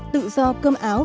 tự do cơm áo và hành lực